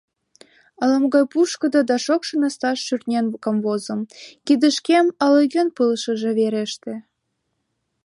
Ала-могай пушкыдо да шокшо насташ шӱртнен камвозым, кидышкем ала-кӧн пылышыже вереште...